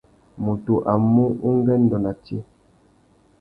Mutu a mú ungüêndô nà tsi.